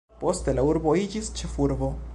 Poste la urbo iĝis ĉefurbo.